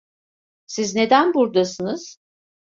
Siz neden buradasınız?